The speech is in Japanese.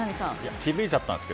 気づいちゃったんですよ。